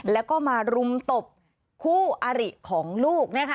แล้วก็มารุมตบคู่อาริของลูก